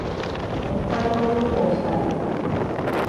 北海道旅行したい。